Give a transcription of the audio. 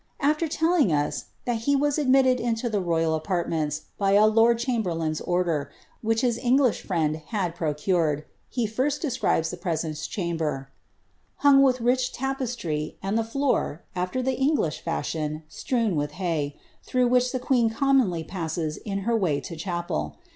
After telling us, that he was admitted into the royal apartments by a lord chamberlain's order, which his Eng lish friend had procured, he first describes the presence chamber, ^ hung with rich tapestry, and the floor, aAer the English fashion, strewed with hay,* through which the queen commonly passes in her way to chapel.